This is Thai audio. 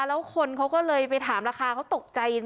แล้วคนเขาก็เลยไปถามราคาเขาตกใจจริง